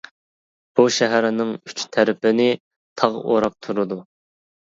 بۇ شەھەرنىڭ ئۈچ تەرىپىنى تاغ ئوراپ تۇرىدۇ.